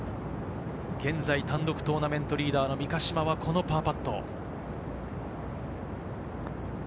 現在、単独トーナメントリーダーの三ヶ島はこのパーパット。